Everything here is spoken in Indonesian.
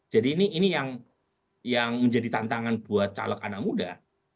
jadi ini yang menjadi tantangan buat caleg anak muda